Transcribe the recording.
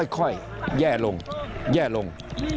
ค่อยแย่ลงแย่ลง